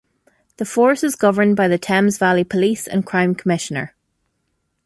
The force is governed by the Thames Valley Police and Crime Commissioner.